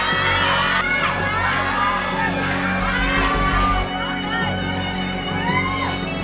โครงแรคโครงแรค